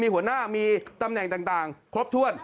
หัวหน้ามีตำแหน่งต่างครบถ้วน